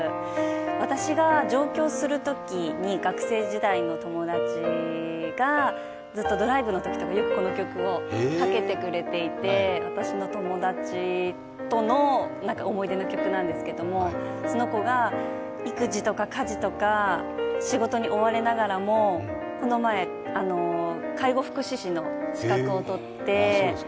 私が上京するときに学生時代の友達がずっとドライブのときとかよくこの曲をかけてくれていて私の友達との思い出の曲なんですけれども、その子が育児とか家事とか仕事に追われながらもこの前、介護福祉士の資格を取って。